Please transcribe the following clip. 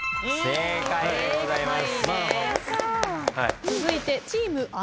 正解でございます。